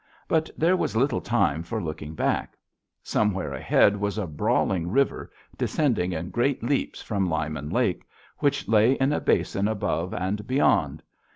But there was little time for looking back. Somewhere ahead was a brawling river descending in great leaps from Lyman Lake, which lay in a basin above and beyond.